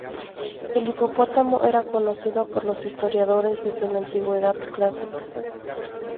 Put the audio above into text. El hipopótamo era conocido por los historiadores desde la Antigüedad clásica.